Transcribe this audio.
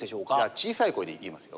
小さい声で言いますよ。